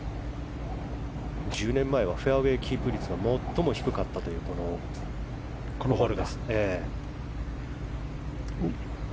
１０年前はフェアウェーキープ率が最も低かったというホール。